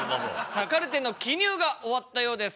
さあカルテの記入が終わったようです。